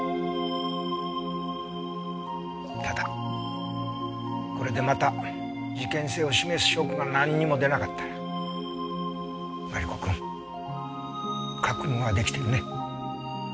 ただこれでまた事件性を示す証拠がなんにも出なかったらマリコくん覚悟は出来てるね？